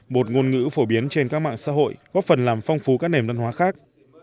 một ngôn ngữ phổ biến trên các mạng xã hội góp phần làm phong phú các nền văn hóa khác